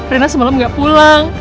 rena semalam gak pulang